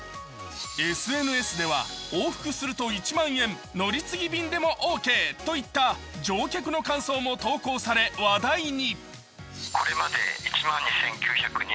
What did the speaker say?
ＳＮＳでは往復すると１万円、乗継便でもオーケーといった乗客の感想も投稿され、話題に。